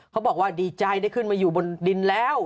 บอกว่าดีใจได้ขึ้นมาอยู่บนดินแล้ว